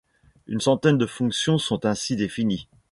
Une centaine de fonctions sont ainsi définies.